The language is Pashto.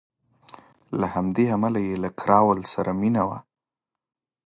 له همدې امله یې له کراول سره مینه وه.